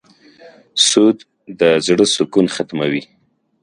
سود د زړه سکون ختموي.